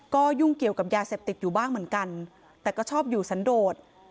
ก็ยุ่งเกี่ยวกับยาเสพติดอยู่บ้างเหมือนกันแต่ก็ชอบอยู่สันโดด